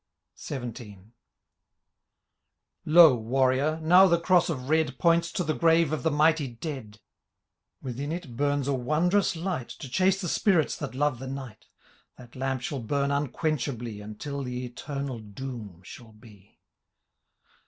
XVII. Lo, Warrior ! now, the Cross of Red Points to the grave of the mighty dead ; Within it bums a wondrous light. To chase the spirits that love the night That lamp shall bum imquenchably. Until the eternal doom shall be."